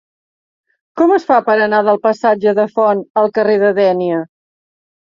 Com es fa per anar del passatge de Font al carrer de Dénia?